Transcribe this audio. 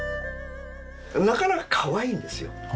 なかなかかわいいんですよ。